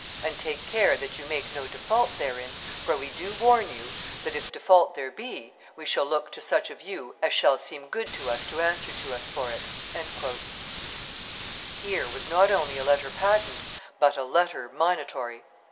... And take care that you make no default therein, for we do warn you that, if default there be, we shall look to such of you as shall seem good to us to answer to us for it." Here was not only a letter patent, but a letter minatory.